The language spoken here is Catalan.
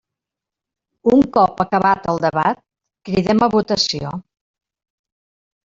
Un cop acabat el debat, cridem a votació.